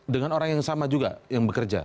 dengan orang yang sama juga yang bekerja